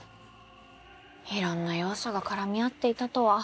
いろんな要素が絡み合っていたとは。